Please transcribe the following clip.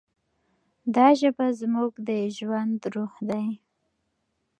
دا ژبه زموږ د ژوند روح دی.